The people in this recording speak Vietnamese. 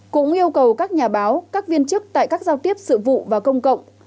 cũng yêu cầu các nhà báo các viên chức tại các giao tiếp sự vụ và công cộng